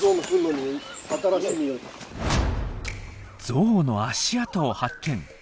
ゾウの足跡を発見！